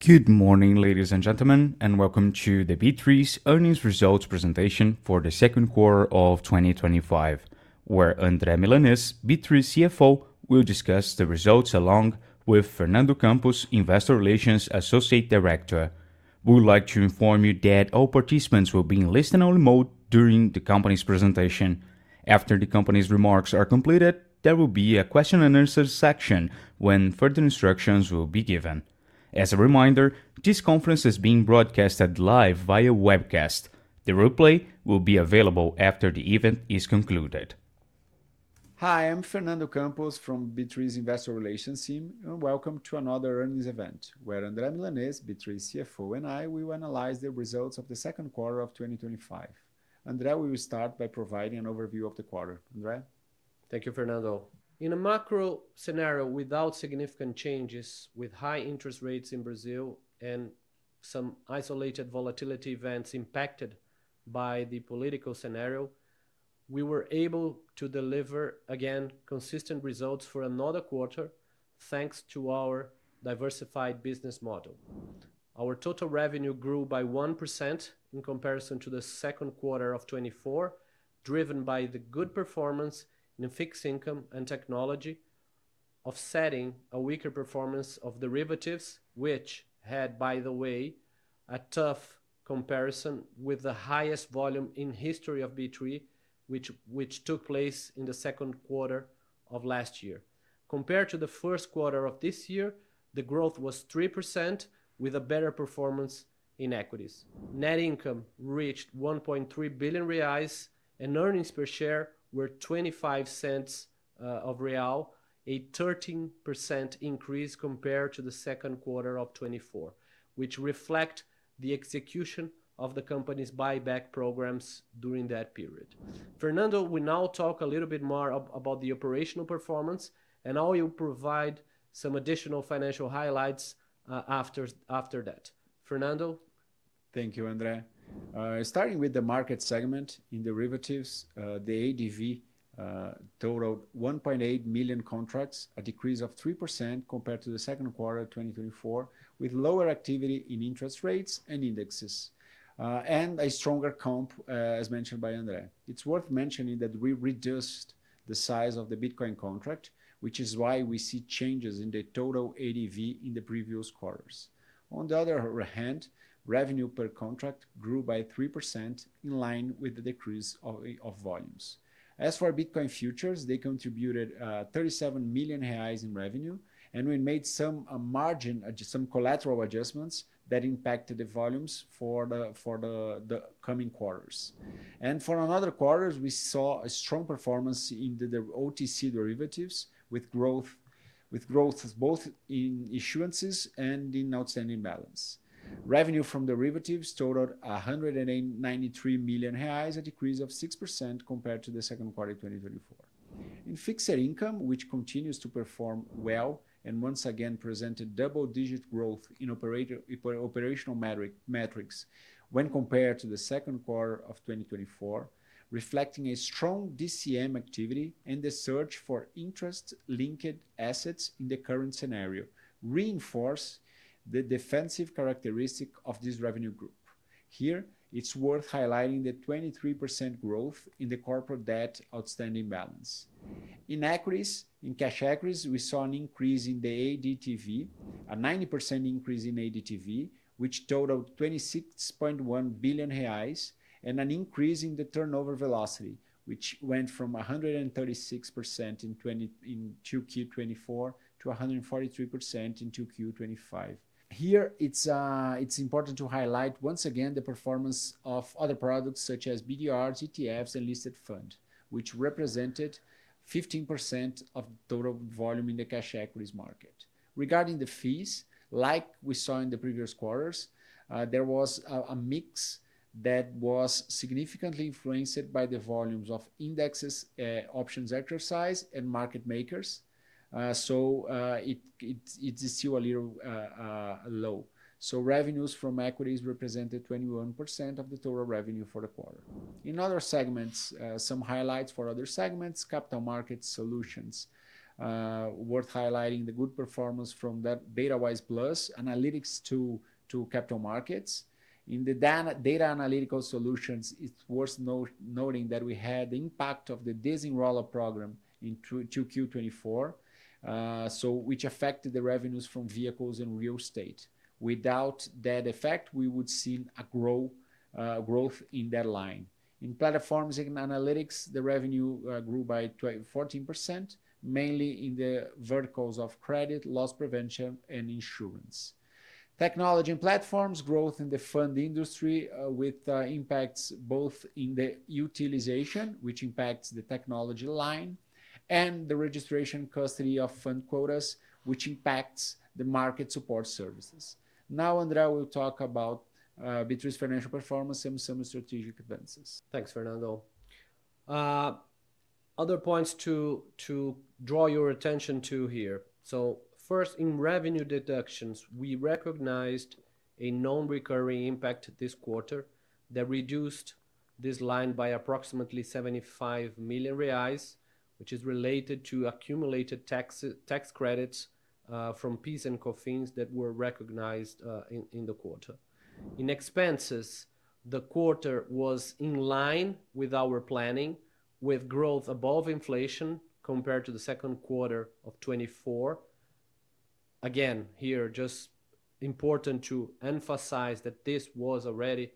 Good morning, ladies and gentlemen, and welcome to B3's Earnings Results Presentation for the Second Quarter of 2025, where André Milanez, B3's Chief Financial Officer, will discuss the results along with Fernando Campos, Investor Relations Associate Director. We would like to inform you that all participants will be in listen-only mode during the company's presentation. After the company's remarks are completed, there will be a question and answer section when further instructions will be given. As a reminder, this conference is being broadcast live via webcast. The replay will be available after the event is concluded. Hi, I'm Fernando Campos from B3's Investor Relations team, and welcome to another earnings event, where André Milanez, B3's CFO, and I will analyze the Results of the Second Quarter of 2025. André, we will start by providing an overview of the quarter. André? Thank you, Fernando. In a macro scenario without significant changes, with high interest rates in Brazil and some isolated volatility events impacted by the political scenario, we were able to deliver, again, consistent results for another quarter, thanks to our diversified business model. Our total revenue grew by 1% in comparison to the second quarter of 2024, driven by the good performance in fixed income and technology, offsetting a weaker performance of derivatives, which had, by the way, a tough comparison with the highest volume in the history of B3, which took place in the second quarter of last year. Compared to the first quarter of this year, the growth was 3%, with a better performance in equities. Net income reached 1.3 billion reais, and earnings per share were 0.25, a 13% increase compared to the second quarter of 2024, which reflects the execution of the company's buyback programs during that period. Fernando, we will now talk a little bit more about the operational performance, and I will provide some additional financial highlights after that. Fernando? Thank you, André. Starting with the market segment in derivatives, the ADV totaled 1.8 million contracts, a decrease of 3% compared to the second quarter of 2024, with lower activity in interest rates and indexes, and a stronger comp, as mentioned by André. It's worth mentioning that we reduced the size of the Bitcoin contract, which is why we see changes in the total ADV in the previous quarters. On the other hand, revenue per contract grew by 3% in line with the decrease of volumes. As for Bitcoin futures, they contributed 37 million reais in revenue, and we made some margin, some collateral adjustments that impacted the volumes for the coming quarters. For another quarter, we saw a strong performance in the OTC derivatives, with growth both in issuances and in outstanding balance. Revenue from derivatives totaled 193 million reais, a decrease of 6% compared to the second quarter of 2024. In fixed income, which continues to perform well and once again presented double-digit growth in operational metrics when compared to the second quarter of 2024, reflecting a strong DCM activity and the search for interest-linked assets in the current scenario, reinforcing the defensive characteristic of this revenue group. Here, it's worth highlighting the 23% growth in the corporate debt outstanding balance. In equities, in cash equities, we saw an increase in the ADTV, a 90% increase in ADTV, which totaled 26.1 billion reais, and an increase in the turnover velocity, which went from 136% in Q2 2024 to 143% in Q2 2025. It's important to highlight once again the performance of other products such as BDRs, ETFs, and listed funds, which represented 15% of total volume in the cash equities market. Regarding the fees, like we saw in the previous quarters, there was a mix that was significantly influenced by the volumes of indexes, options exercise, and market makers. It is still a little low. Revenues from equities represented 21% of the total revenue for the quarter. In other segments, some highlights for other segments: Capital Markets Solutions, worth highlighting the good performance from the Betawise Plus analytics to Capital Markets. In the Data Analytical Solutions, it's worth noting that we had the impact of the disenrollment program in Q2 2024, which affected the revenues from vehicles and real estate. Without that effect, we would see a growth in that line. In Platforms and Analytics, the revenue grew by 14%, mainly in the verticals of credit, loss prevention, and insurance. Technology and Platforms growth in the fund industry with impacts both in the utilization, which impacts the technology line, and the registration custody of fund quotas, which impacts the market support services. Now, André will talk about B3's financial performance and some strategic advances. Thanks, Fernando. Other points to draw your attention to here. First, in revenue deductions, we recognized a non-recurring impact this quarter that reduced this line by approximately 75 million reais, which is related to accumulated tax credits from PIS and COFINS that were recognized in the quarter. In expenses, the quarter was in line with our planning, with growth above inflation compared to the second quarter of 2024. Here, just important to emphasize that this was already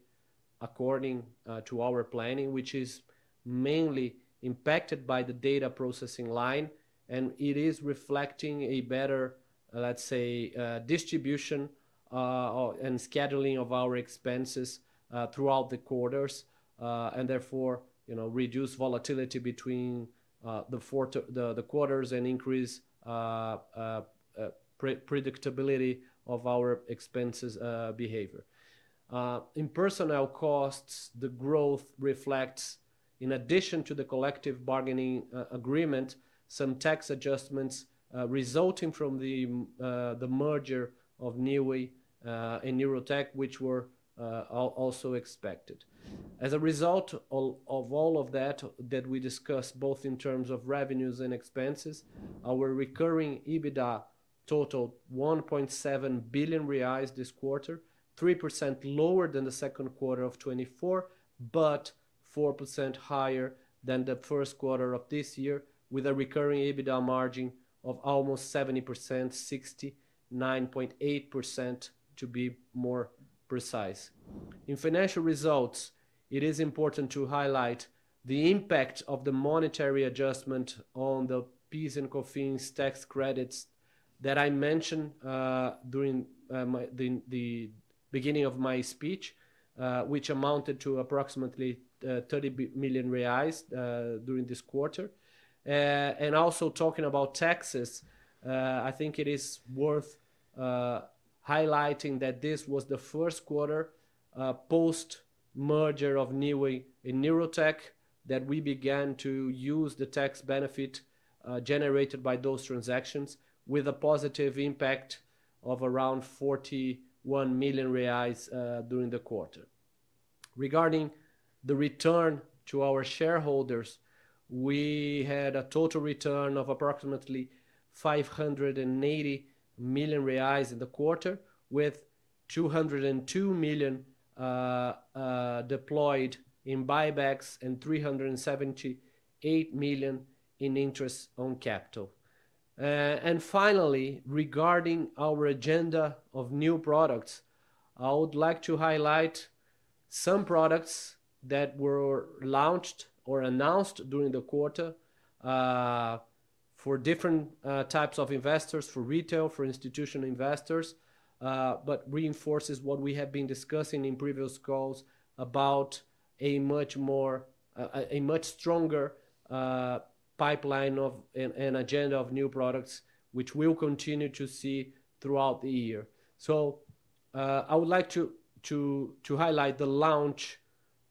according to our planning, which is mainly impacted by the data processing line, and it is reflecting a better, let's say, distribution and scheduling of our expenses throughout the quarters, and therefore, you know, reduce volatility between the quarters and increase predictability of our expenses behavior. In personnel costs, the growth reflects, in addition to the collective bargaining agreement, some tax adjustments resulting from the merger of NEWE and Nurotec, which were also expected. As a result of all of that that we discussed, both in terms of revenues and expenses, our recurring EBITDA totaled 1.7 billion reais this quarter, 3% lower than the second quarter of 2024, but 4% higher than the first quarter of this year, with a recurring EBITDA margin of almost 70%, 69.8% to be more precise. In financial results, it is important to highlight the impact of the monetary adjustment on the PIS and COFINS tax credits that I mentioned during the beginning of my speech, which amounted to approximately 30 million reais during this quarter. Also talking about taxes, I think it is worth highlighting that this was the first quarter post-merger of NEWE and Nurotec that we began to use the tax benefit generated by those transactions, with a positive impact of around 41 million reais during the quarter. Regarding the return to our shareholders, we had a total return of approximately 580 million reais in the quarter, with 202 million deployed in buybacks and 378 million in interest on capital. Finally, regarding our agenda of new products, I would like to highlight some products that were launched or announced during the quarter for different types of investors, for retail, for institutional investors, which reinforces what we have been discussing in previous calls about a much stronger pipeline and agenda of new products, which we'll continue to see throughout the year. I would like to highlight the launch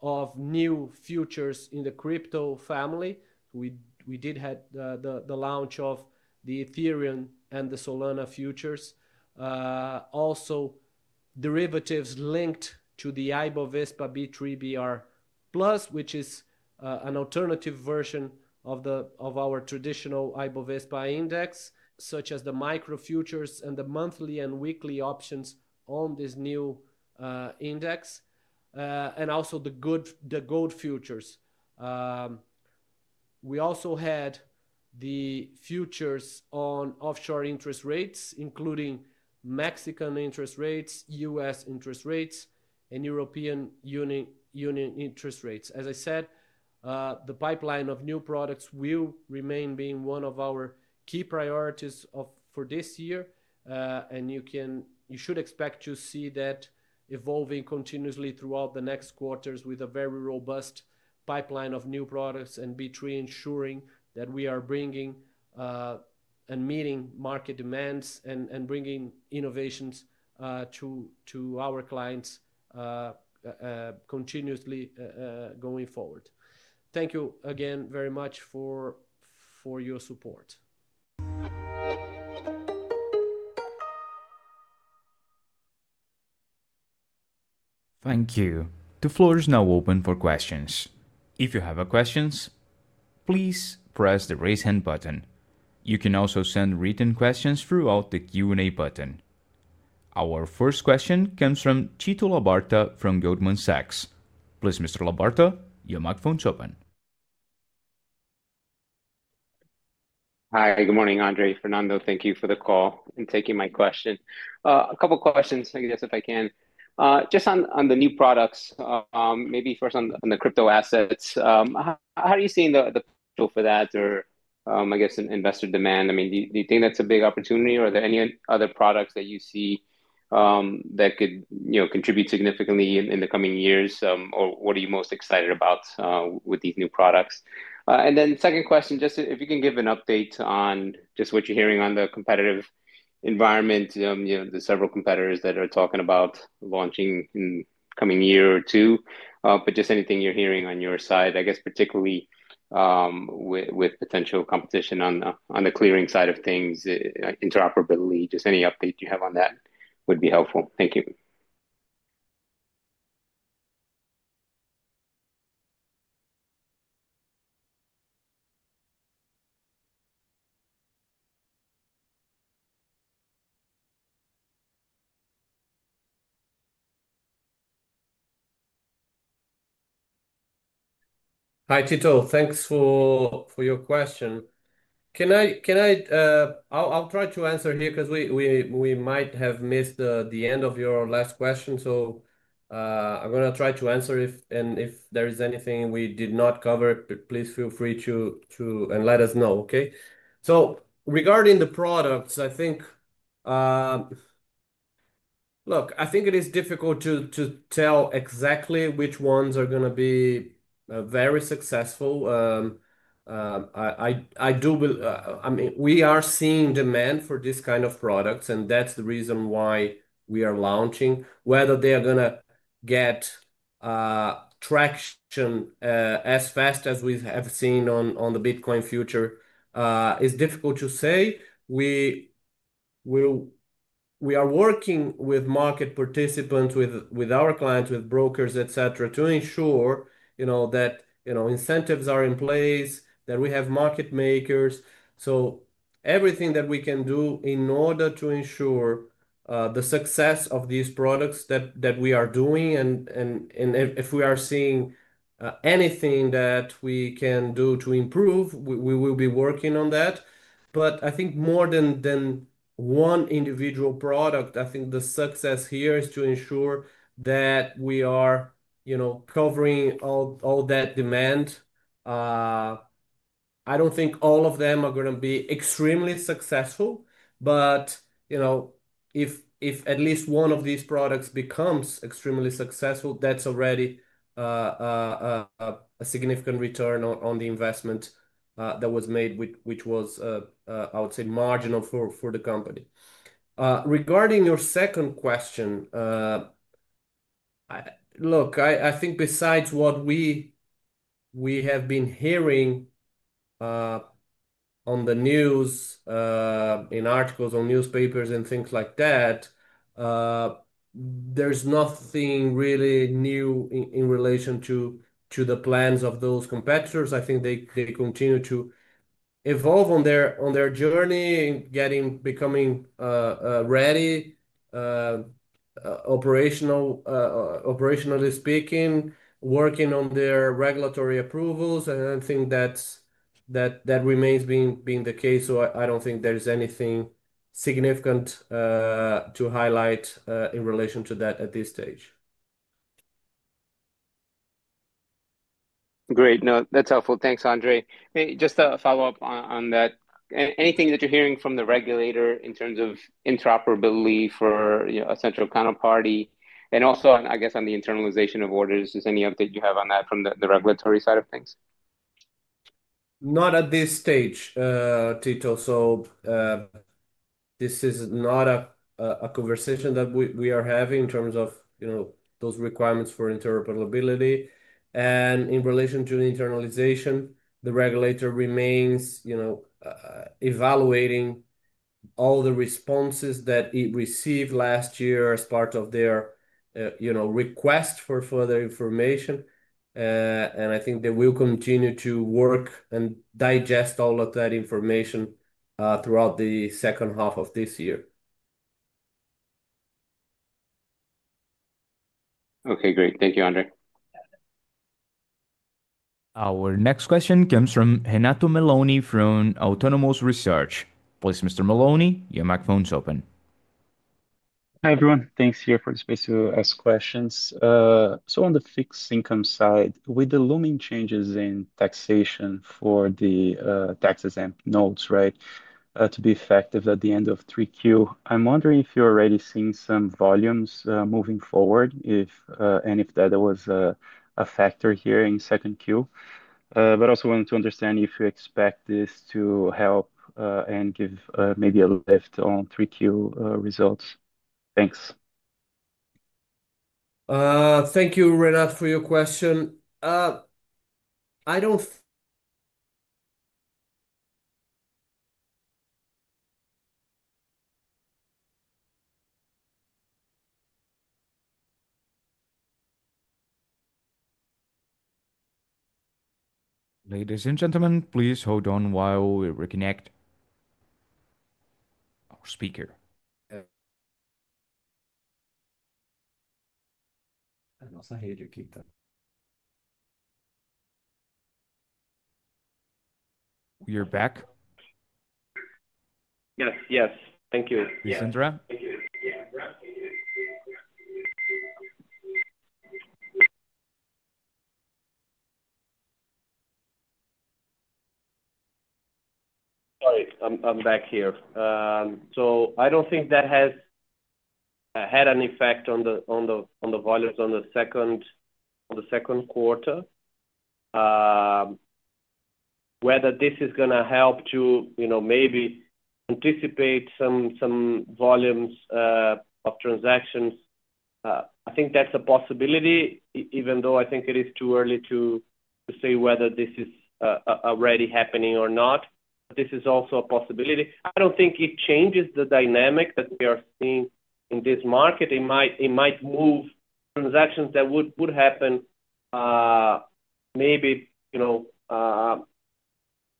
of new futures in the crypto family. We did have the launch of the Ethereum futures and the Solana futures. Also, derivatives linked to the IBovespa B3 BR Plus, which is an alternative version of our traditional IBovespa index, such as the micro futures and the monthly and weekly options on this new index, and also the gold futures. We also had the futures on offshore interest rates, including Mexican interest rates, U.S. interest rates, and European Union interest rates. As I said, the pipeline of new products will remain being one of our key priorities for this year, and you should expect to see that evolving continuously throughout the next quarters with a very robust pipeline of new products and B3 ensuring that we are bringing and meeting market demands and bringing innovations to our clients continuously going forward. Thank you again very much for your support. Thank you. The floor is now open for questions. If you have questions, please press the raise hand button. You can also send written questions through the Q&A button. Our first question comes from Tito Labarta from Goldman Sachs. Please, Mr. Labarta, your microphone is open. Hi, good morning, André. Fernando, thank you for the call and taking my question. A couple of questions, if I can. Just on the new products, maybe first on the crypto assets, how do you see the crypto for that, or investor demand? Do you think that's a big opportunity? Are there any other products that you see that could contribute significantly in the coming years, or what are you most excited about with these new products? My second question, if you can give an update on what you're hearing on the competitive environment, the several competitors that are talking about launching in the coming year or two, anything you're hearing on your side, particularly with potential competition on the clearing side of things, interoperability, any update you have on that would be helpful. Thank you. Hi, Tito. Thanks for your question. I'll try to answer here because we might have missed the end of your last question, so I'm going to try to answer it, and if there is anything we did not cover, please feel free to let us know, okay? Regarding the products, I think it is difficult to tell exactly which ones are going to be very successful. I do believe we are seeing demand for this kind of products, and that's the reason why we are launching. Whether they are going to get traction as fast as we have seen on the Bitcoin futures is difficult to say. We are working with market participants, with our clients, with brokers, etc., to ensure that incentives are in place, that we have market makers. Everything that we can do in order to ensure the success of these products we are doing, and if we are seeing anything that we can do to improve, we will be working on that. More than one individual product, I think the success here is to ensure that we are covering all that demand. I don't think all of them are going to be extremely successful, but if at least one of these products becomes extremely successful, that's already a significant return on the investment that was made, which was, I would say, marginal for the company. Regarding your second question, besides what we have been hearing on the news, in articles on newspapers, and things like that, there's nothing really new in relation to the plans of those competitors. I think they continue to evolve on their journey and getting ready, operationally speaking, working on their regulatory approvals, and I think that remains being the case. I don't think there's anything significant to highlight in relation to that at this stage. Great. No, that's helpful. Thanks, André. Just to follow up on that, anything that you're hearing from the regulator in terms of interoperability for a central counterparty, and also, I guess, on the internalization of orders, is there any update you have on that from the regulatory side of things? Not at this stage, Tito. This is not a conversation that we are having in terms of those requirements for interoperability. In relation to internalization, the regulator remains evaluating all the responses that it received last year as part of their request for further information. I think they will continue to work and digest all of that information throughout the second half of this year. Okay, great. Thank you, André. Our next question comes from Renato Meloni from Autonomous Research. Please, Mr. Meloni, your microphone is open. Hi, everyone. Thanks for the space to ask questions. On the fixed income side, with the looming changes in taxation for the tax-exempt notes, right, to be effective at the end of 3Q, I'm wondering if you're already seeing some volumes moving forward, and if that was a factor here in 2Q. I also want to understand if you expect this to help and give maybe a lift on 3Q results. Thanks. If you need the specific figures, we can follow up with you after the call. Ladies and gentlemen, please hold on while we reconnect our speaker. I lost my heater, Tito. You're back? Yes, thank you. Yes, André? Sorry, I'm back here. I don't think that has had an effect on the volumes in the second quarter. Whether this is going to help to, you know, maybe anticipate some volumes of transactions, I think that's a possibility, even though I think it is too early to say whether this is already happening or not. This is also a possibility. I don't think it changes the dynamic that we are seeing in this market. It might move transactions that would happen maybe, you know,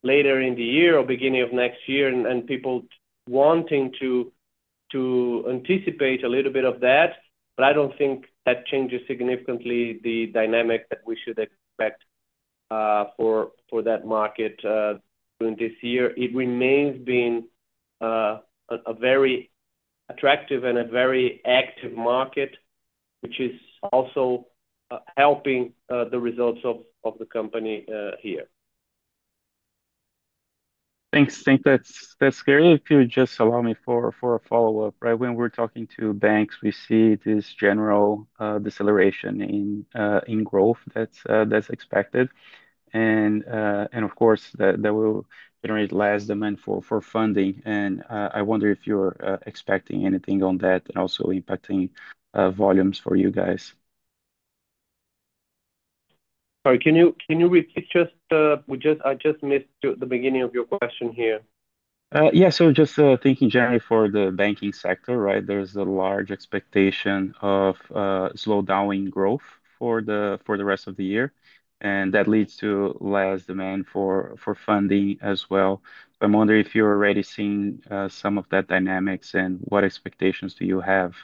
later in the year or beginning of next year, and people wanting to anticipate a little bit of that. I don't think that changes significantly the dynamic that we should expect for that market during this year. It remains being a very attractive and a very active market, which is also helping the results of the company here. Thanks. I think that's great. If you would just allow me for a follow-up, right, when we're talking to banks, we see this general deceleration in growth that's expected. Of course, that will generate less demand for funding. I wonder if you're expecting anything on that and also impacting volumes for you guys. Sorry, can you repeat? I just missed the beginning of your question here. Thank you, Jerry, for the banking sector, right? There's a large expectation of slow-down growth for the rest of the year. That leads to less demand for funding as well. I'm wondering if you're already seeing some of that dynamics and what expectations do you have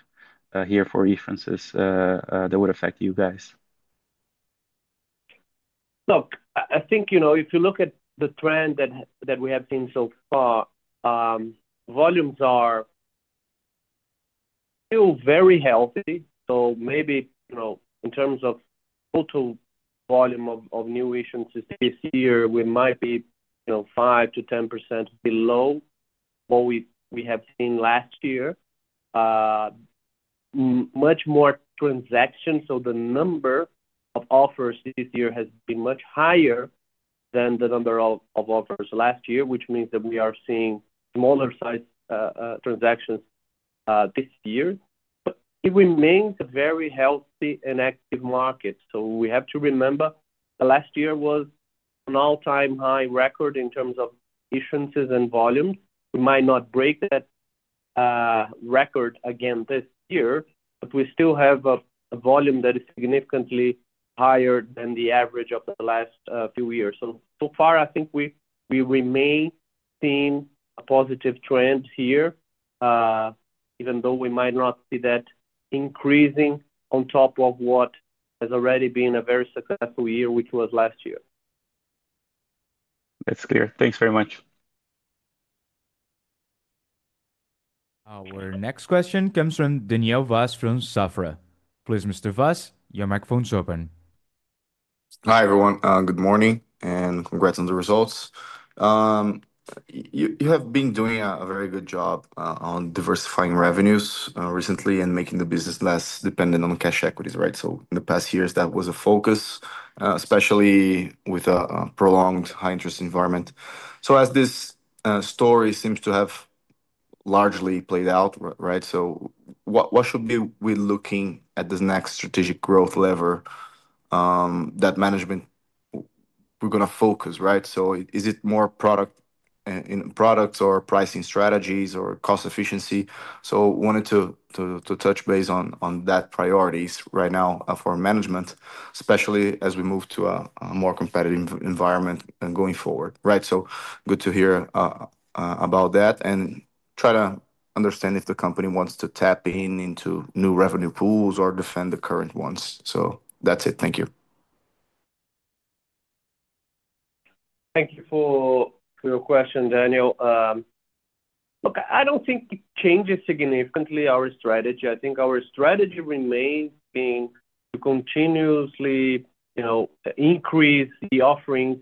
here for references that would affect you guys? Look, I think if you look at the trend that we have seen so far, volumes are still very healthy. In terms of total volume of new issuances this year, we might be 5%-10% below what we have seen last year. Much more transactions, so the number of offers this year has been much higher than the number of offers last year, which means that we are seeing smaller size transactions this year. It remains a very healthy and active market. We have to remember that last year was an all-time high record in terms of issuances and volumes. We might not break that record again this year, but we still have a volume that is significantly higher than the average of the last few years. I think we remain seeing a positive trend here, even though we might not see that increasing on top of what has already been a very successful year, which was last year. That's clear. Thanks very much. Our next question comes from Daniel Vaz from Safra. Please, Mr. Vaz, your microphone is open. Hi, everyone. Good morning and congrats on the results. You have been doing a very good job on diversifying revenues recently and making the business less dependent on cash equities, right? In the past years, that was a focus, especially with a prolonged high-interest environment. As this story seems to have largely played out, right? What should we be looking at as the next strategic growth lever that management is going to focus on, right? Is it more products or pricing strategies or cost efficiency? I wanted to touch base on the priorities right now for management, especially as we move to a more competitive environment going forward, right? Good to hear about that and try to understand if the company wants to tap into new revenue pools or defend the current ones. That's it. Thank you. Thank you for your question, Daniel. I don't think it changes significantly our strategy. I think our strategy remains being to continuously increase the offerings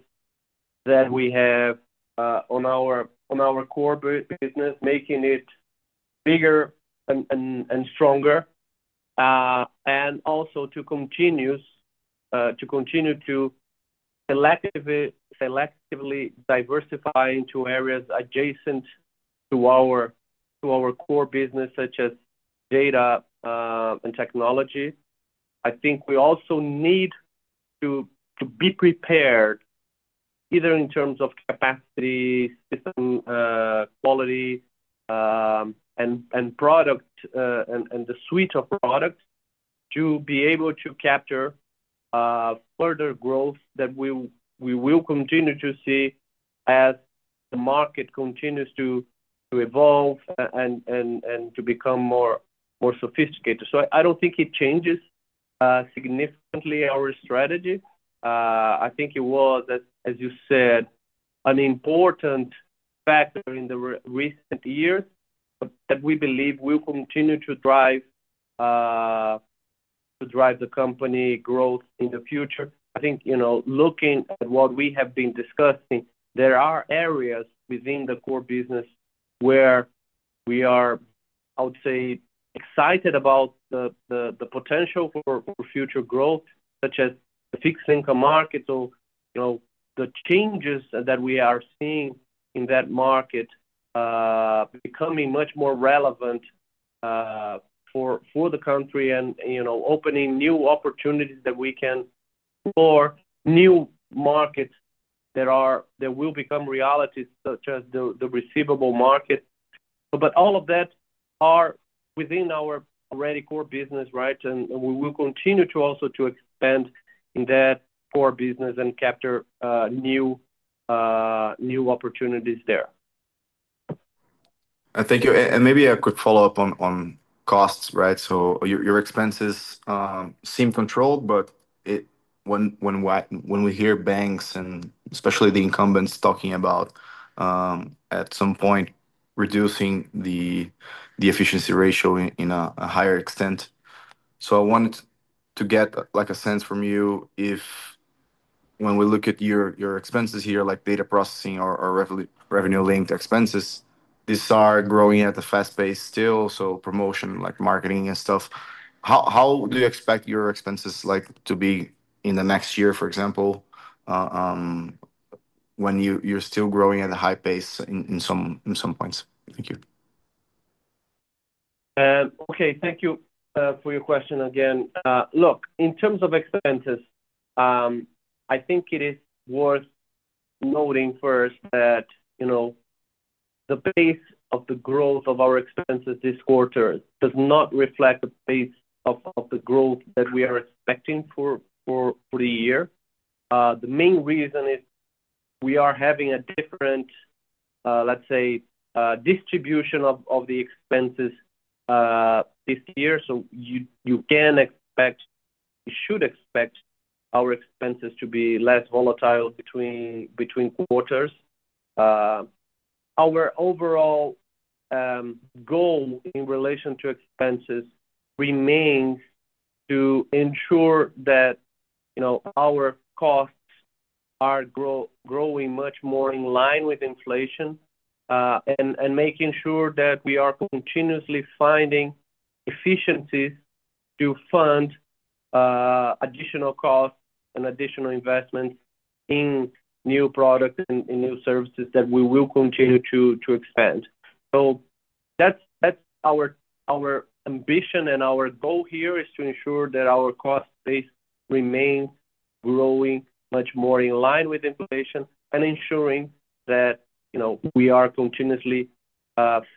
that we have on our core business, making it bigger and stronger, and also to continue to selectively diversify into areas adjacent to our core business, such as data and technology. I think we also need to be prepared either in terms of capacity, system quality, and product and the suite of products to be able to capture further growth that we will continue to see as the market continues to evolve and to become more sophisticated. I don't think it changes significantly our strategy. I think it was, as you said, an important factor in the recent years that we believe will continue to drive the company growth in the future. Looking at what we have been discussing, there are areas within the core business where we are, I would say, excited about the potential for future growth, such as the fixed income market. The changes that we are seeing in that market are becoming much more relevant for the country and opening new opportunities that we can explore, new markets that will become realities, such as the receivable market. All of that is within our already core business, right? We will continue to also expand in that core business and capture new opportunities there. Thank you. Maybe a quick follow-up on costs, right? Your expenses seem controlled, but when we hear banks and especially the incumbents talking about, at some point, reducing the efficiency ratio to a higher extent, I wanted to get a sense from you if, when we look at your expenses here, like data processing or revenue-linked expenses, these are growing at a fast pace still. Promotion, like marketing and stuff. How do you expect your expenses to be in the next year, for example, when you're still growing at a high pace in some points? Thank you. Okay, thank you for your question again. In terms of expenses, I think it is worth noting first that the pace of the growth of our expenses this quarter does not reflect the pace of the growth that we are expecting for the year. The main reason is we are having a different, let's say, distribution of the expenses this year. You can expect, you should expect our expenses to be less volatile between quarters. Our overall goal in relation to expenses remains to ensure that our costs are growing much more in line with inflation and making sure that we are continuously finding efficiencies to fund additional costs and additional investments in new products and new services that we will continue to expand. That's our ambition and our goal here is to ensure that our cost base remains growing much more in line with inflation and ensuring that we are continuously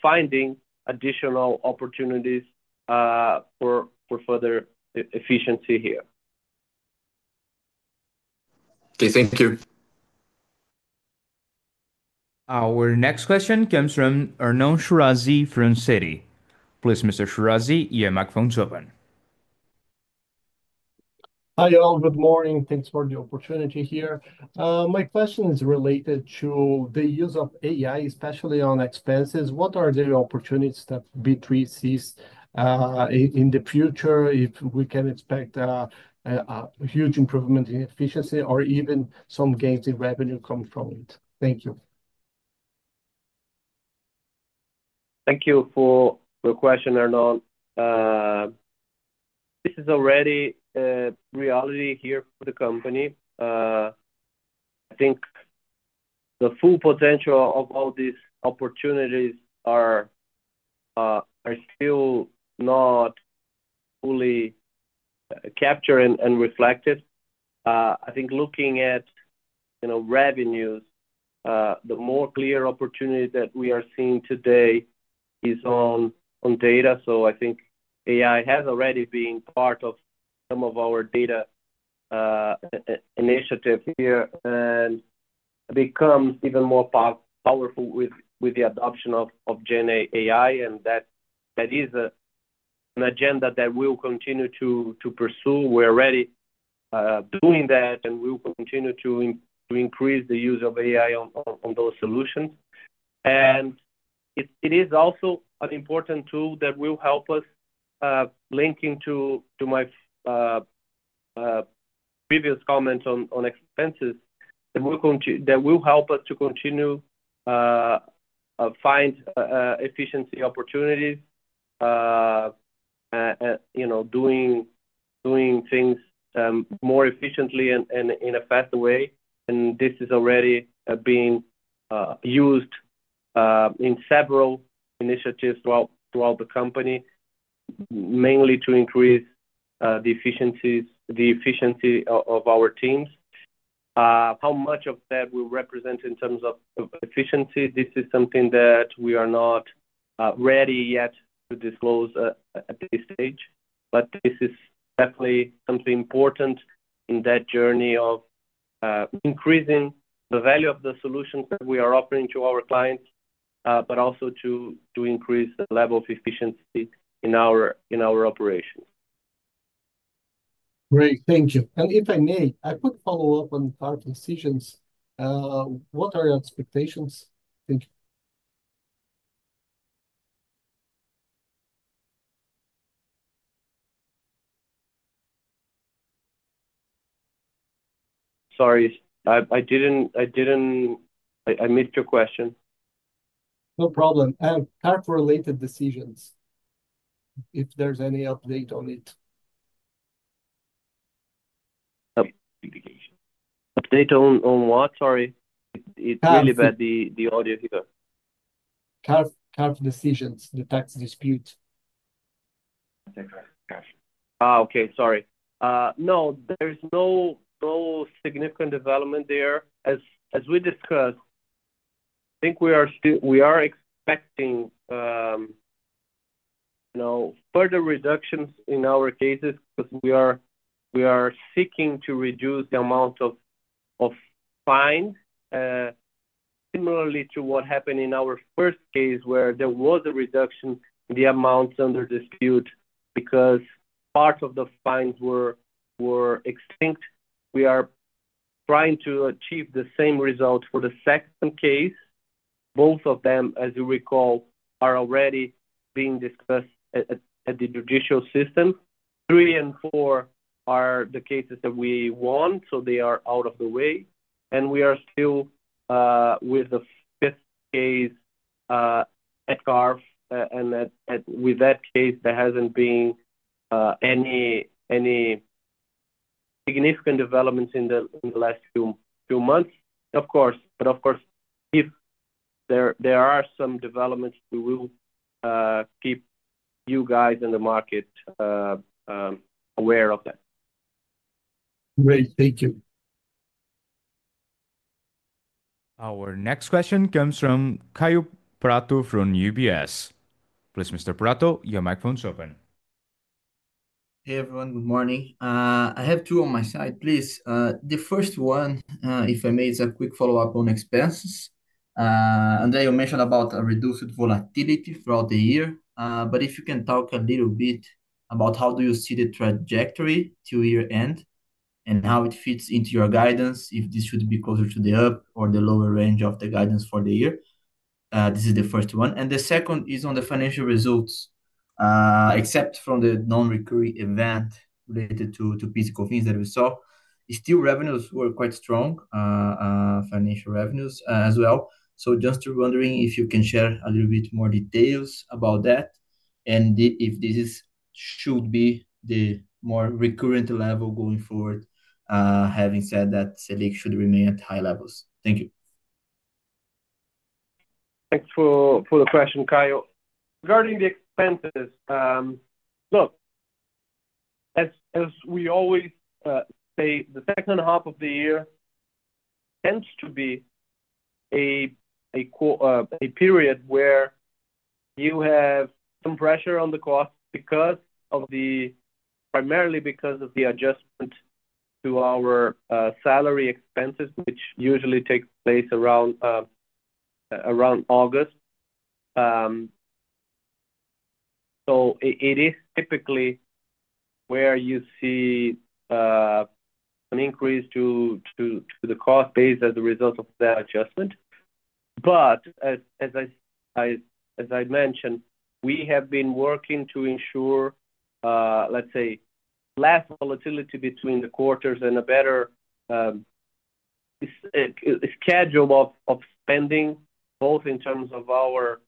finding additional opportunities for further efficiency here. Thank you. Our next question comes from Arnon Shirazi from Citi. Please, Mr. Shirazi, your microphone is open. Hi, André. Good morning. Thanks for the opportunity here. My question is related to the use of artificial intelligence, especially on expenses. What are the opportunities that B3 sees in the future if we can expect a huge improvement in efficiency or even some gains in revenue coming from it? Thank you. Thank you for your question, Arnon. This is already a reality here for the company. I think the full potential of all these opportunities is still not fully captured and reflected. I think looking at, you know, revenues, the more clear opportunity that we are seeing today is on data. I think AI has already been part of some of our data initiatives here and become even more powerful with the adoption of GenAI. That is an agenda that we'll continue to pursue. We're already doing that and we'll continue to increase the use of AI on those solutions. It is also an important tool that will help us, linking to my previous comments on expenses, that will help us to continue to find efficiency opportunities and doing things more efficiently and in a faster way. This has already been used in several initiatives throughout the company, mainly to increase the efficiency of our teams. How much of that will represent in terms of efficiency, this is something that we are not ready yet to disclose at this stage. This is definitely something important in that journey of increasing the value of the solutions that we are offering to our clients, but also to increase the level of efficiency in our operations. Great. Thank you. If I may, a quick follow-up on part of decisions. What are your expectations? Thank you. Sorry, I didn't, I missed your question. No problem. And tax-related decisions, if there's any update on it. Update on what? Sorry. It's really bad, the audio here. Tax decisions, the tax dispute. Okay, sorry. No, there is no significant development there. As we discussed, I think we are expecting, you know, further reductions in our cases because we are seeking to reduce the amount of fines, similarly to what happened in our first case where there was a reduction in the amounts under dispute because parts of the fines were extinct. We are trying to achieve the same result for the second case. Both of them, as you recall, are already being discussed at the judicial system. Three and four are the cases that we want, so they are out of the way. We are still with the fifth case at CARF, and with that case, there hasn't been any significant developments in the last few months, of course. If there are some developments, we will keep you guys in the market aware of that. Great. Thank you. Our next question comes from Kaio Prato from UBS. Please, Mr. Prato, your microphone is open. Hey, everyone. Good morning. I have two on my side, please. The first one, if I may, is a quick follow-up on expenses. André, you mentioned about a reduced volatility throughout the year, but if you can talk a little bit about how you see the trajectory to year-end and how it fits into your guidance, if this should be closer to the up or the lower range of the guidance for the year. This is the first one. The second is on the financial results. Except from the non-recurring event related to PIS and COFINS that we saw, still revenues were quite strong, financial revenues as well. Just wondering if you can share a little bit more details about that and if this should be the more recurrent level going forward, having said that SELIC should remain at high levels. Thank you. Thanks for the question, Caio. Regarding the expenses, as we always say, the second half of the year tends to be a period where you have some pressure on the costs primarily because of the adjustment to our salary expenses, which usually takes place around August. It is typically where you see an increase to the cost base as a result of that adjustment. As I mentioned, we have been working to ensure less volatility between the quarters and a better schedule of spending, both in terms of our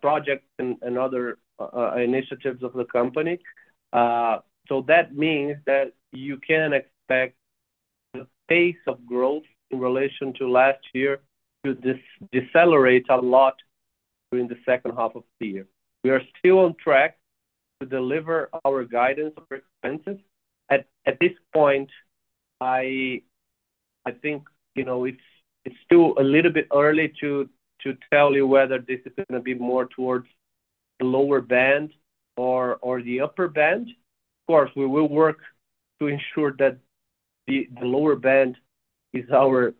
projects and other initiatives of the company. That means you can expect the pace of growth in relation to last year to decelerate a lot during the second half of the year. We are still on track to deliver our guidance for expenses. At this point, it's still a little bit early to tell you whether this is going to be more towards the lower band or the upper band. Of course, we will work to ensure that the lower band is our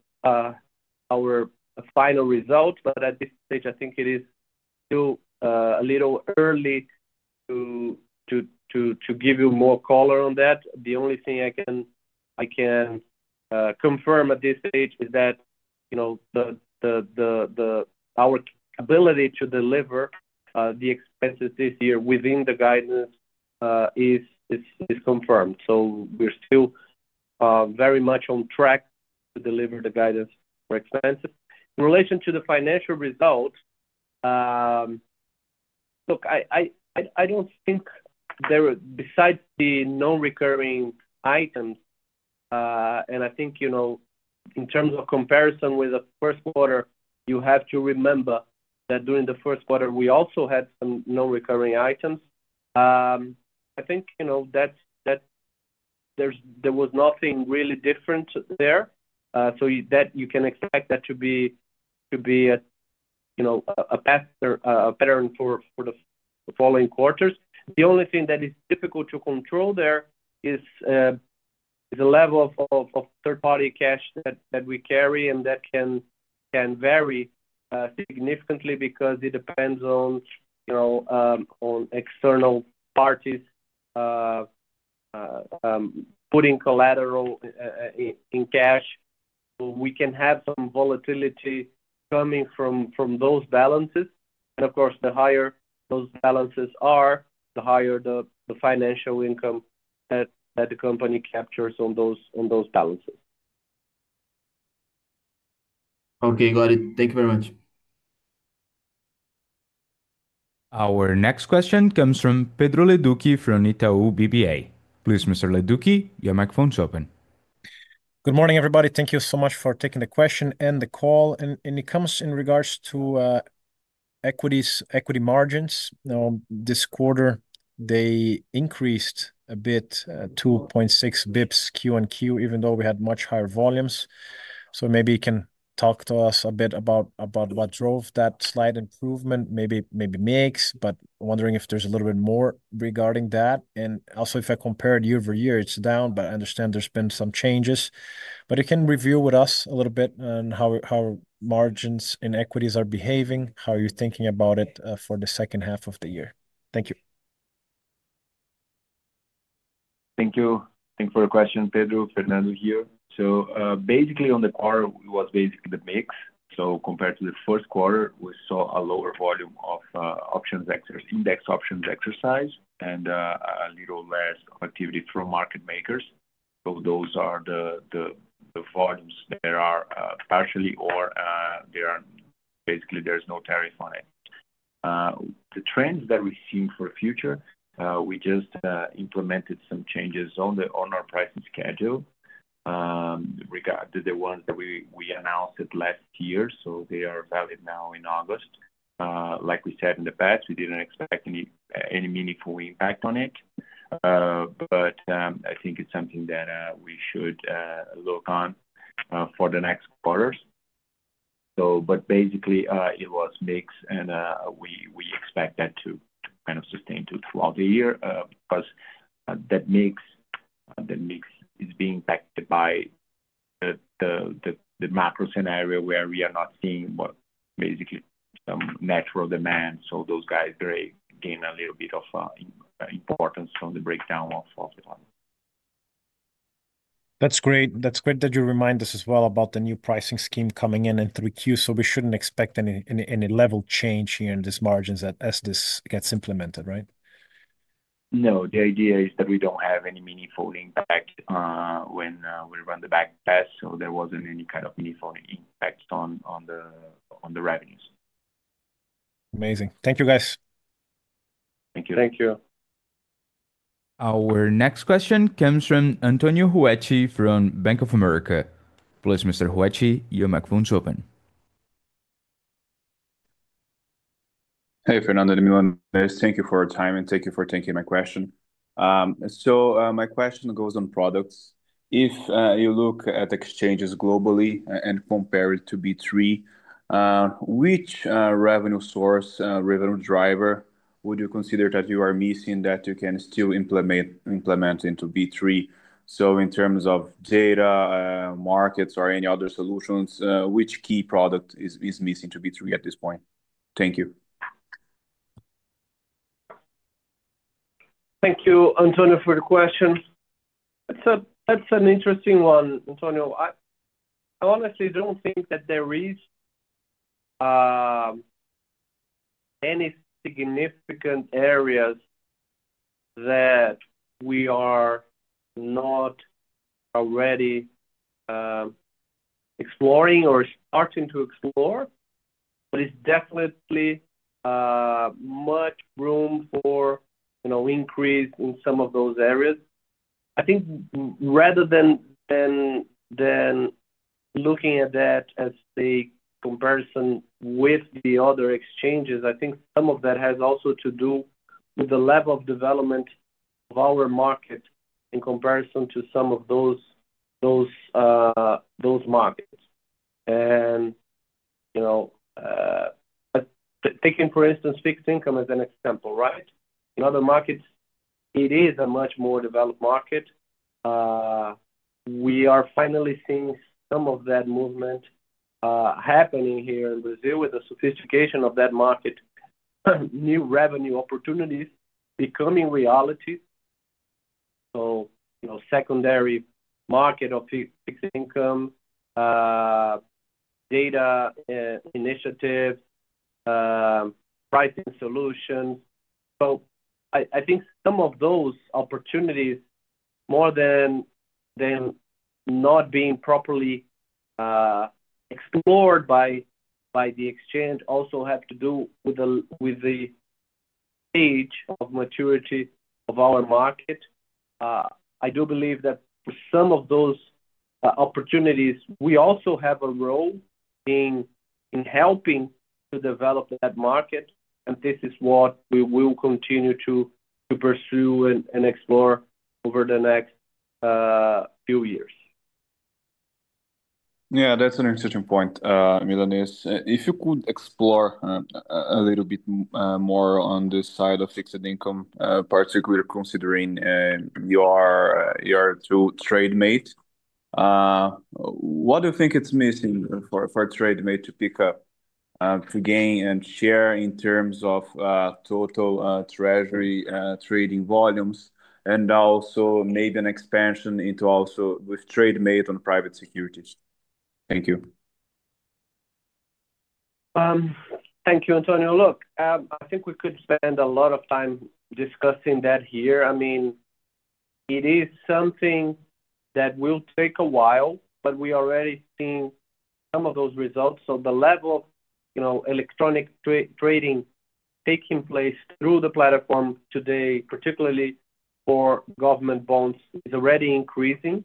final result, but at this stage, it is still a little early to give you more color on that. The only thing I can confirm at this stage is that our ability to deliver the expenses this year within the guidance is confirmed. We're still very much on track to deliver the guidance for expenses. In relation to the financial results, I don't think there are, besides the non-recurring items, and in terms of comparison with the first quarter, you have to remember that during the first quarter, we also had some non-recurring items. There was nothing really different there. You can expect that to be a pattern for the following quarters. The only thing that is difficult to control there is the level of third-party cash that we carry, and that can vary significantly because it depends on, you know, external parties putting collateral in cash. We can have some volatility coming from those balances. Of course, the higher those balances are, the higher the financial income that the company captures on those balances. Okay, got it. Thank you very much. Our next question comes from Pedro Leduc from Itaú BBA. Please, Mr. Leduc, your microphone is open. Good morning, everybody. Thank you so much for taking the question and the call. It comes in regards to equities, equity margins. This quarter, they increased a bit, 2.6 basis points Q1Q, even though we had much higher volumes. Maybe you can talk to us a bit about what drove that slight improvement, maybe mix, but wondering if there's a little bit more regarding that. Also, if I compared year-over-year, it's down, but I understand there's been some changes. You can review with us a little bit on how margins and equities are behaving, how you're thinking about it for the second half of the year. Thank you. Thank you. Thank you for your question, Pedro. Fernando here. Basically, on the quarter, it was the mix. Compared to the first quarter, we saw a lower volume of index options exercised and a little less activity from market makers. Those are the volumes that are partially, or basically, there's no tariff on it. The trends that we've seen for the future, we just implemented some changes on our pricing schedule regarding the ones that we announced last year. They are valid now in August. Like we said in the past, we didn't expect any meaningful impact on it. I think it's something that we should look on for the next quarters. Basically, it was mixed, and we expect that to kind of sustain throughout the year because that mix is being impacted by the macro scenario where we are not seeing basically some natural demand. Those guys gain a little bit of importance from the breakdown of the fund. That's great. That's great that you remind us as well about the new pricing scheme coming in in 3Q. We shouldn't expect any level change here in these margins as this gets implemented, right? No, the idea is that we don't have any meaningful impact when we run the back test. There wasn't any kind of meaningful impact on the revenues. Amazing. Thank you, guys. Thank you. Thank you. Our next question comes from Antonio Ruette from Bank of America. Please, Mr. Ruette, your microphone is open. Hey, Fernando, let me run this. Thank you for your time and thank you for taking my question. My question goes on products. If you look at exchanges globally and compare it to B3, which revenue source, revenue driver would you consider that you are missing that you can still implement into B3? In terms of data, markets, or any other solutions, which key product is missing to B3 at this point? Thank you. Thank you, Antonio, for the question. That's an interesting one, Antonio. I honestly don't think that there are any significant areas that we are not already exploring or starting to explore, but there's definitely much room for increase in some of those areas. I think rather than looking at that as a comparison with the other exchanges, I think some of that has also to do with the level of development of our markets in comparison to some of those markets. Taking, for instance, fixed income as an example, right? In other markets, it is a much more developed market. We are finally seeing some of that movement happening here in Brazil with the sophistication of that market, new revenue opportunities becoming reality. Secondary market of fixed income, data initiatives, pricing solutions. I think some of those opportunities, more than not being properly explored by the exchange, also have to do with the age of maturity of our market. I do believe that for some of those opportunities, we also have a role in helping to develop that market, and this is what we will continue to pursue and explore over the next few years. Yeah, that's an interesting point, Milanez. If you could explore a little bit more on this side of fixed income, particularly considering you are through TradeMate, what do you think is missing for TradeMate to pick up, to gain and share in terms of total treasury trading volumes, and also maybe an expansion into also with TradeMate on private securities? Thank you. Thank you, Antonio. I think we could spend a lot of time discussing that here. I mean, it is something that will take a while, but we are already seeing some of those results. The level of electronic trading taking place through the platform today, particularly for government bonds, is already increasing.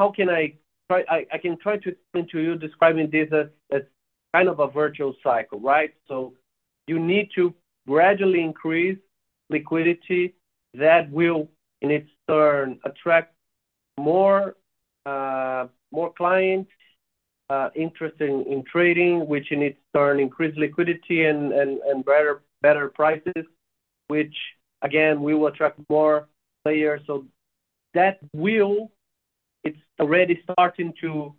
I can try to explain to you, describing this as kind of a virtual cycle, right? You need to gradually increase liquidity that will, in its turn, attract more clients interested in trading, which in its turn increases liquidity and better prices, which again will attract more players. That wheel is already starting to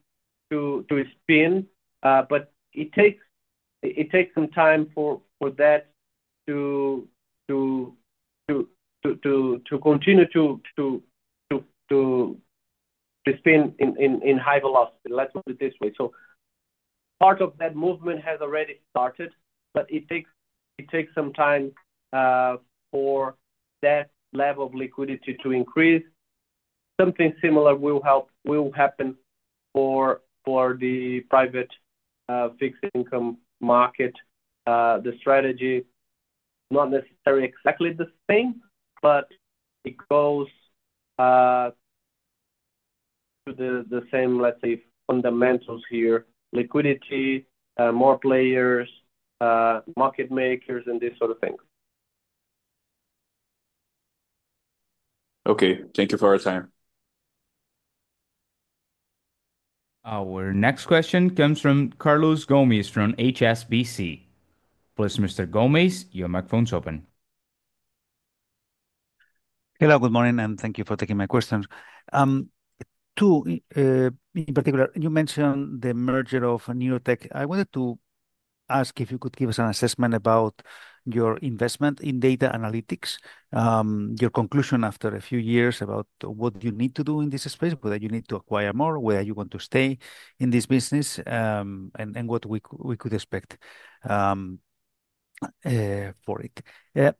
spin, but it takes some time for that to continue to spin in high velocity. Let's put it this way. Part of that movement has already started, but it takes some time for that level of liquidity to increase. Something similar will happen for the private fixed income market. The strategy is not necessarily exactly the same, but it goes to the same fundamentals here: liquidity, more players, market makers, and these sorts of things. Okay. Thank you for your time. Our next question comes from Carlos Gomez from HSBC. Please, Mr. Gomez-Lopez, your microphone is open. Hello, good morning, and thank you for taking my question. Two, in particular, you mentioned the merger of NEWE. I wanted to ask if you could give us an assessment about your investment in data analytics, your conclusion after a few years about what you need to do in this space, whether you need to acquire more, whether you want to stay in this business, and what we could expect for it.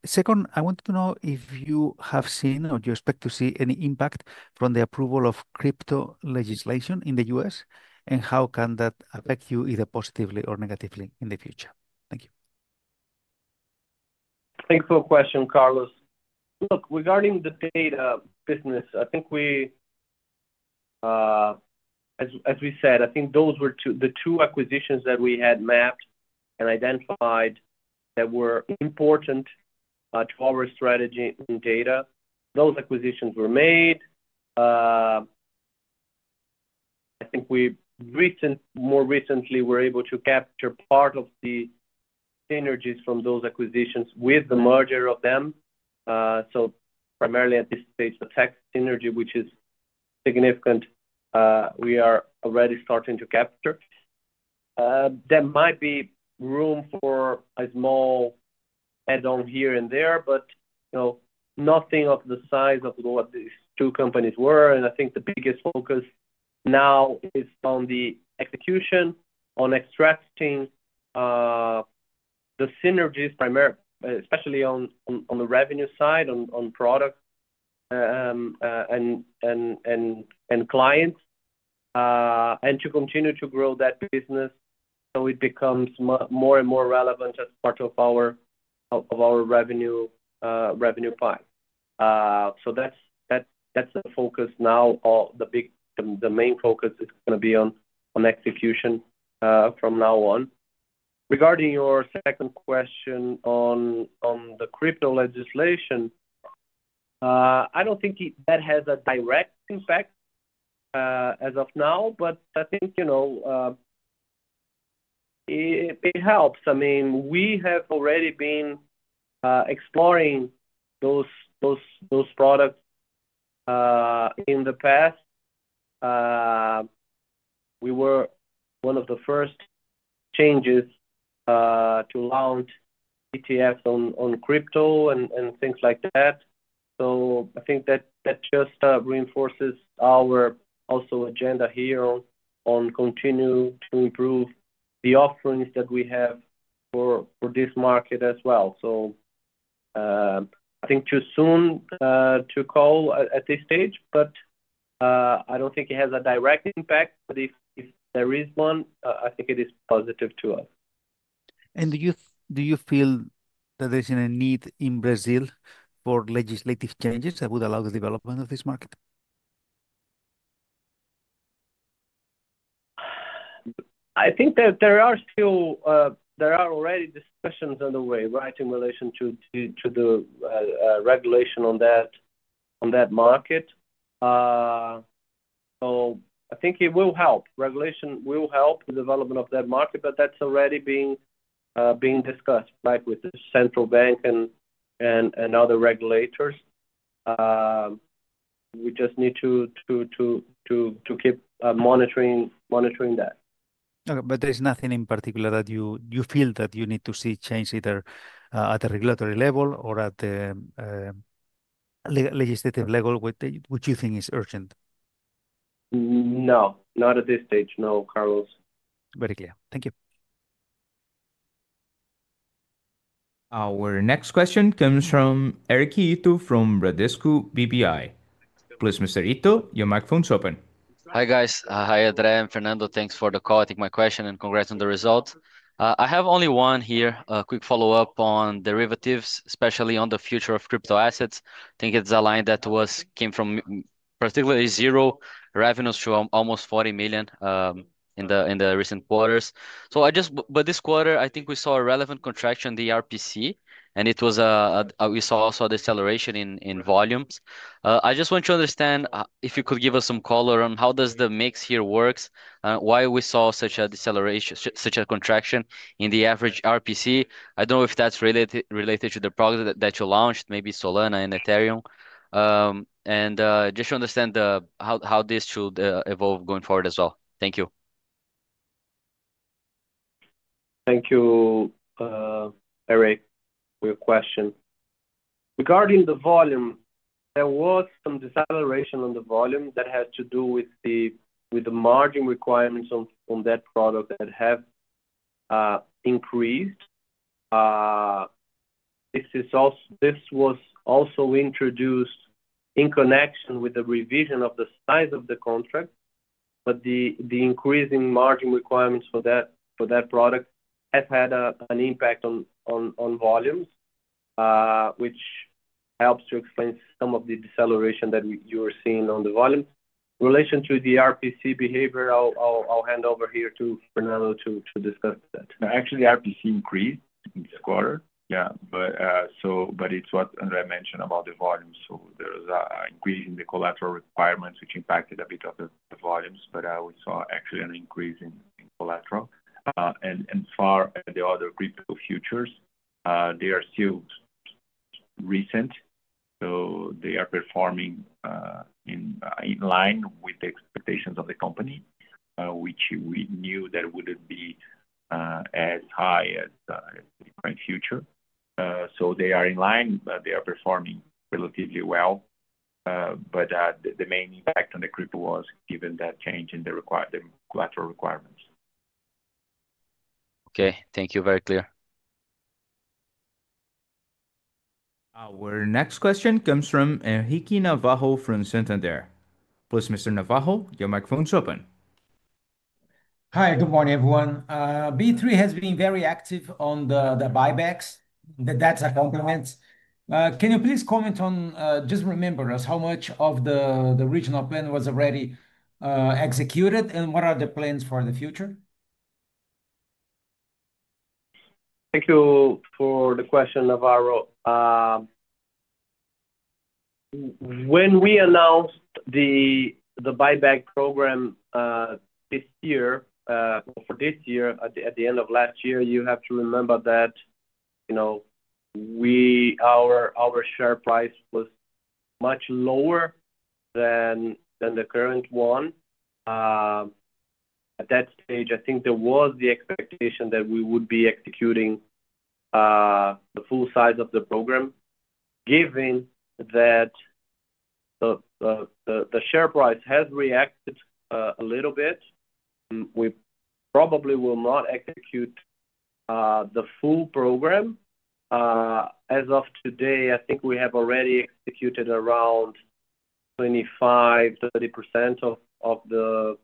Second, I want to know if you have seen or do you expect to see any impact from the approval of crypto legislation in the U.S., and how can that affect you either positively or negatively in the future? Thank you. Thank you for the question, Carlos. Look, regarding the data business, I think we, as we said, those were the two acquisitions that we had mapped and identified that were important to our strategy in data. Those acquisitions were made. I think we recently, more recently, were able to capture part of the synergies from those acquisitions with the merger of them. Primarily at this stage, the tax synergy, which is significant, we are already starting to capture. There might be room for a small add-on here and there, but nothing of the size of what these two companies were. I think the biggest focus now is on the execution, on extracting the synergies, especially on the revenue side, on products and clients, and to continue to grow that business so it becomes more and more relevant as part of our revenue pie. That's the focus now. The main focus is going to be on execution from now on. Regarding your second question on the crypto legislation, I don't think that has a direct impact as of now, but I think it helps. We have already been exploring those products in the past. We were one of the first exchanges to launch ETFs on crypto and things like that. I think that just reinforces our also agenda here on continuing to improve the offerings that we have for this market as well. Too soon to call at this stage, but I don't think it has a direct impact. If there is one, I think it is positive to us. Do you feel that there's any need in Brazil for legislative changes that would allow the development of this market? I think that there are already discussions underway in relation to the regulation on that market. I think it will help. Regulation will help the development of that market, but that's already being discussed with the central bank and other regulators. We just need to keep monitoring that. Okay, there's nothing in particular that you feel that you need to see change either at the regulatory level or at the legislative level which you think is urgent? No, not at this stage. No, Carlos. Very clear. Thank you. Our next question comes from Eric Ito from Bradesco BBI. Please, Mr. Ito, your microphone is open. Hi, guys. Hi, André and Fernando. Thanks for the call. I think my question and congrats on the results. I have only one here, a quick follow-up on derivatives, especially on the future of crypto assets. I think it's a line that came from particularly zero revenues to almost 40 million in the recent quarters. I just, but this quarter, I think we saw a relevant contraction in the RPC, and we saw also a deceleration in volumes. I just want to understand if you could give us some color on how does the mix here work, why we saw such a deceleration, such a contraction in the average RPC. I don't know if that's related to the product that you launched, maybe Solana and Ethereum. Just to understand how this should evolve going forward as well. Thank you. Thank you, Eric, for your question. Regarding the volume, there was some deceleration on the volume that had to do with the margin requirements on that product that have increased. This was also introduced in connection with the revision of the size of the contract. The increase in margin requirements for that product has had an impact on volumes, which helps to explain some of the deceleration that you were seeing on the volume. In relation to the RPC behavior, I'll hand over here to Fernando to discuss that. Actually, the RPC increased in this quarter. Yeah, but it's what André mentioned about the volume. There was an increase in the collateral requirements, which impacted a bit of the volumes, but we saw actually an increase in collateral. As far as the other crypto futures, they are still recent. They are performing in line with the expectations of the company, which we knew that it wouldn't be as high as the current future. They are in line. They are performing relatively well. The main impact on the crypto was given that change in the collateral requirements. Okay. Thank you. Very clear. Our next question comes from Henrique Navarro from Santander. Please, Mr. Navarro, your microphone is open. Hi, good morning, everyone. B3 has been very active on the buybacks. That's a compliment. Can you please comment on, just remind us, how much of the regional plan was already executed and what are the plans for the future? Thank you for the question, Navarro. When we announced the buyback program for this year at the end of last year, you have to remember that our share price was much lower than the current one. At that stage, I think there was the expectation that we would be executing the full size of the program. Given that the share price has reacted a little bit, we probably will not execute the full program. As of today, I think we have already executed around 25%, 30% of the, around 20% of the program.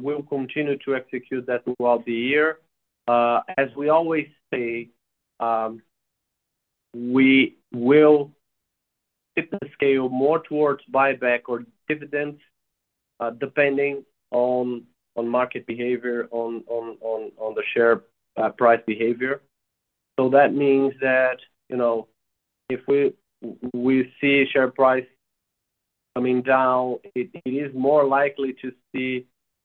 We'll continue to execute that throughout the year. As we always say, we will shift the scale more towards buyback or dividends, depending on market behavior, on the share price behavior. That means if we see share price coming down, it is more likely to see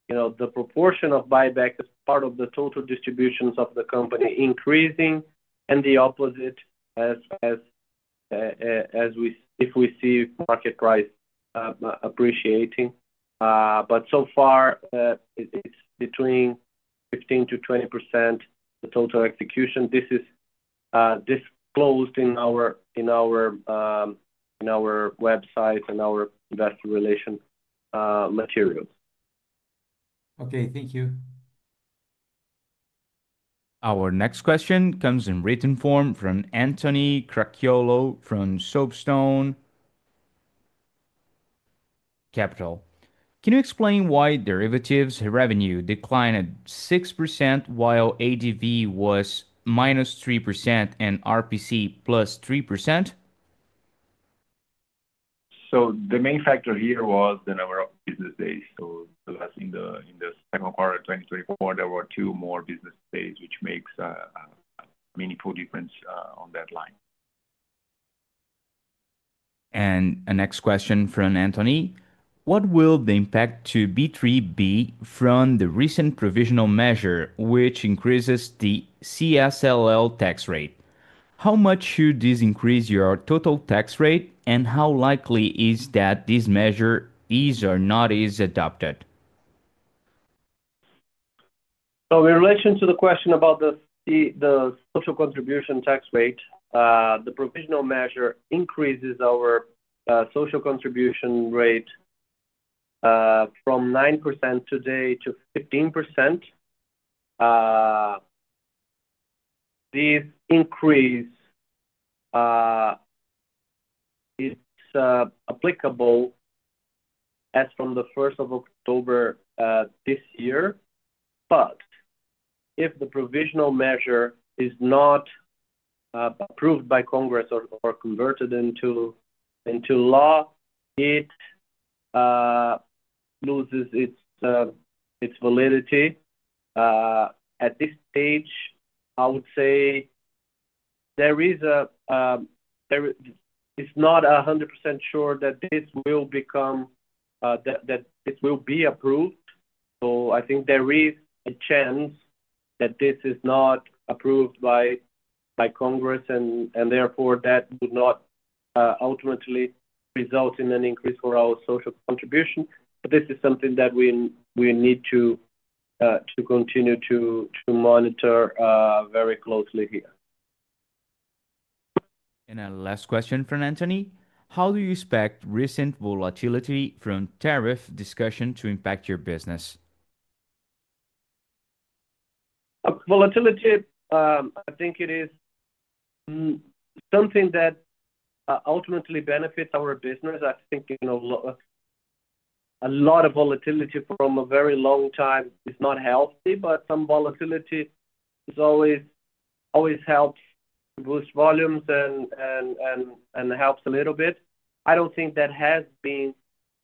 the proportion of buyback as part of the total distributions of the company increasing and the opposite as we see market price appreciating. So far, it's between 15%-20% of the total execution. This is disclosed in our website and our investor relation materials. Okay, thank you. Our next question comes in written form from Anthony Cracchiolo from Soapstone Capital. Can you explain why derivatives revenue declined at 6% while ADV was -3% and RPC +3%? The main factor here was the number of business days. In the second quarter of 2024, there were two more business days, which makes a meaningful difference on that line. The next question from Anthony is, what will the impact to B3 be from the recent provisional measure, which increases the CSLL tax rate? How much should this increase your total tax rate, and how likely is it that this measure is or is not adopted? In relation to the question about the social contribution tax rate, the provisional measure increases our social contribution rate from 9% today to 15%. This increase is applicable as from the 1st of October this year. If the provisional measure is not approved by Congress or converted into law, it loses its validity. At this stage, I would say it's not 100% sure that this will become, that it will be approved. I think there is a chance that this is not approved by Congress, and therefore, that would not ultimately result in an increase for our social contribution. This is something that we need to continue to monitor very closely here. A last question from Anthony. How do you expect recent volatility from tariff discussions to impact your business? Volatility, I think it is something that ultimately benefits our business. I think a lot of volatility for a very long time is not healthy, but some volatility always helps to boost volumes and helps a little bit. I don't think that has been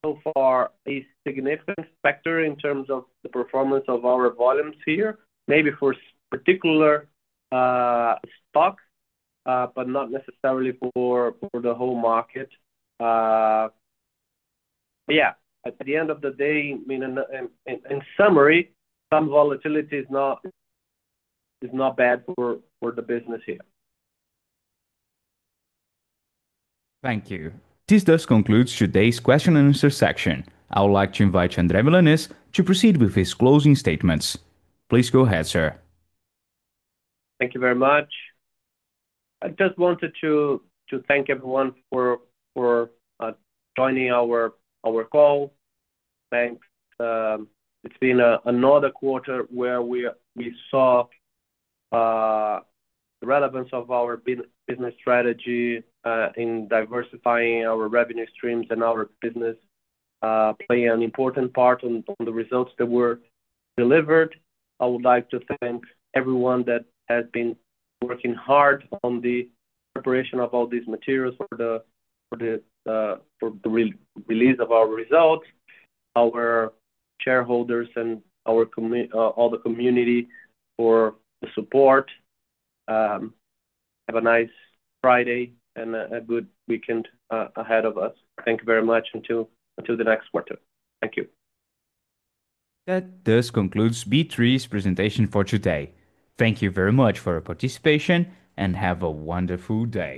so far a significant factor in terms of the performance of our volumes here, maybe for a particular stock, but not necessarily for the whole market. At the end of the day, in summary, some volatility is not bad for the business here. Thank you. This does conclude today's question-and-answer section. I would like to invite André Veiga Milanez to proceed with his closing statements. Please go ahead, sir. Thank you very much. I just wanted to thank everyone for joining our call. Thanks. It's been another quarter where we saw the relevance of our business strategy in diversifying our revenue streams and our business play an important part on the results that were delivered. I would like to thank everyone that has been working hard on the preparation of all these materials for the release of our results, our shareholders, and all the community for the support. Have a nice Friday and a good weekend ahead of us. Thank you very much until the next quarter. Thank you. That does conclude B3's presentation for today. Thank you very much for your participation, and have a wonderful day.